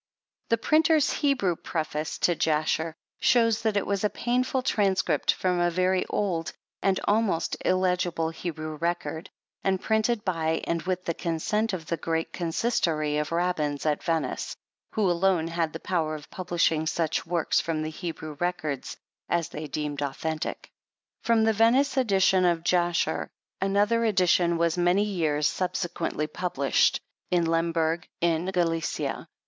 The printer's Hebrew preface to Jasher shows that it was a painful transcript from a very old and almost illegible Hebrew record, and printed by and with the consent of the great Consistory of Rabbins at Venice, who alone had the power of publishing such works from the Hebrew records as they deemed authentic. From the Venice edition of Jasher, another edi VI PREFACE. tion was many years subsequently published, in Lemberg, in Gallicia.